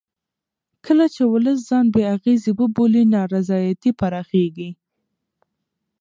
کله چې ولس ځان بې اغېزې وبولي نا رضایتي پراخېږي